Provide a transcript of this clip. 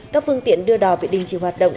các phương tiện đưa đò bị đình chỉ hoạt động